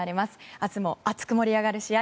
明日も熱く盛り上がる試合